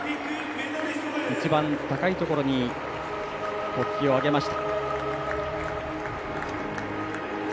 一番高いところに国旗を揚げました。